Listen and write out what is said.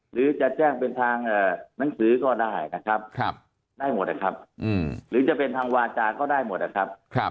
หรือจะแจ้งเป็นทางหนังสือก็ได้นะครับได้หมดนะครับหรือจะเป็นทางวาจาก็ได้หมดนะครับ